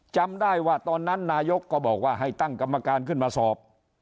จำได้ว่าตอนนั้นนายกก็บอกว่าให้ตั้งกรรมการขึ้นมาสอบ